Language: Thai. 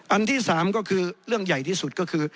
อันที่๓ก็คือเรื่องใหญ่ที่สุดก็คือ